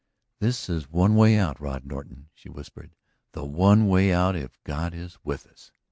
"This is the one way out, Rod Norton!" she whispered. "The one way out if God is with us."